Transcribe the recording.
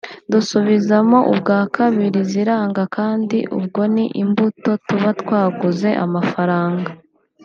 dusubizamo ubwa kabiri ziranga kandi ubwo ni imbuto tuba twaguze amafaranga